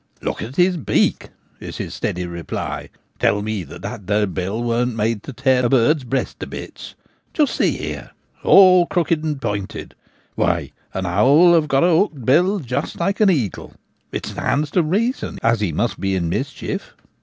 'Look at his beak,' is his steady reply. ' Tell me that that there bill weren't made to tear a bird's breast to bits? Just see here— all crooked and pointed : why, an owl have got a hooked bill like an eagle. It stands to reason as he must be in mischief.'